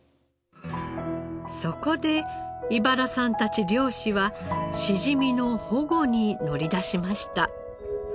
そこで井原さんたち漁師はしじみの保護に乗り出しました。